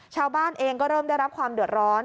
ชาวบ้านเองก็เริ่มได้รับความเดือดร้อน